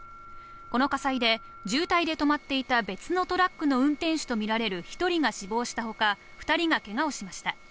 この火災で渋滞で止まっていた別のトラックの運転手とみられる１人が死亡したほか、２人がけがをしました。